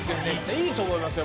いいと思いますよ